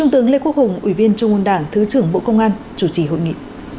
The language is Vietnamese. tướng lê quốc hùng ủy viên trung ương đảng thứ trưởng bộ công an chủ trì hội nghị